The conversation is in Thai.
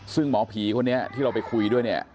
ซึ่งหมอผีคนนี้ที่เราไปคุยด้วยเนี่ย